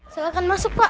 silahkan masuk pak